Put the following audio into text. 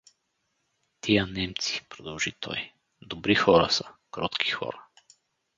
— Тия немци — продължи той, — добри хора са, кротки хора.